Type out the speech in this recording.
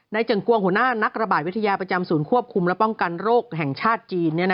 เจิ่งกวงหัวหน้านักระบาดวิทยาประจำศูนย์ควบคุมและป้องกันโรคแห่งชาติจีน